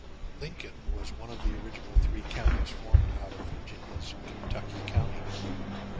Lincoln was one of the original three counties formed out of Virginia's Kentucky County.